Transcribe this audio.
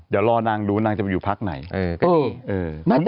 เดี๋ยวรอนางดูว่านางจะมาอยู่พักไหนเออก็ดีเออ